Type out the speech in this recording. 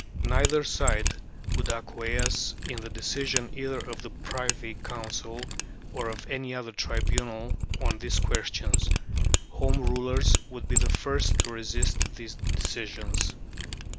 184); neither side would acquiesce in the decision either of the Privy Council or of any other tribunal on these questions; Home Rulers would be the first to resist these decisions (p.